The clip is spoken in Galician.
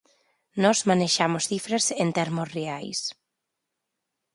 Nós manexamos cifras en termos reais.